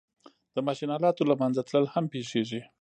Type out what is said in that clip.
د ماشین آلاتو له منځه تلل هم پېښېږي